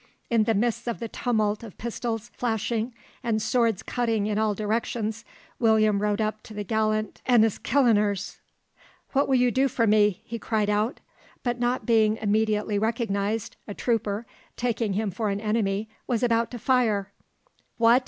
In the midst of the tumult of pistols flashing and swords cutting in all directions, William rode up to the gallant Enniskilleners. "`What will you do for me?' he cried out; but not being immediately recognised, a trooper, taking him for an enemy, was about to fire. "`What!'